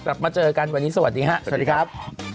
กลับมาเจอกันวันนี้สวัสดีครับ